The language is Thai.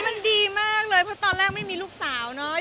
มันดีมากเลยเพราะตอนแรกไม่มีลูกสาวเนาะ